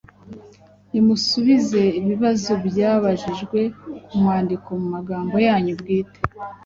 Nimusubize ibi bibazo byabajijwe ku mwandiko mu magambo yanyu bwite.